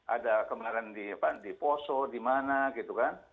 ada kemarin di poso di mana gitu kan